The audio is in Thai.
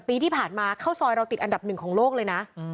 ปีที่ผ่านมาข้าวซอยเราติดอันดับหนึ่งของโลกเลยนะ